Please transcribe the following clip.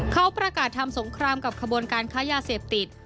เขาประกาศทำสงครามกับขบวนการค้ายาเสพติด